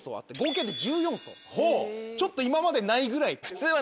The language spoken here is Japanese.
ちょっと今までにないぐらい。